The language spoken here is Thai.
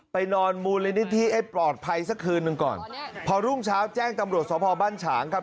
นอนมูลนิธิให้ปลอดภัยสักคืนหนึ่งก่อนพอรุ่งเช้าแจ้งตำรวจสภบ้านฉางครับ